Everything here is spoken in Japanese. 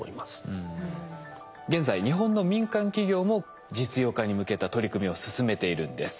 現在日本の民間企業も実用化に向けた取り組みを進めているんです。